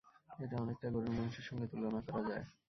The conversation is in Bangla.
এটাকে অনেকটা গরুর মাংসের সঙ্গে তুলনা করা যায়।